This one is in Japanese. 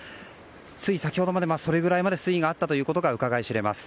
つい先ほどまで、それぐらいまで水位があったとうかがい知れます。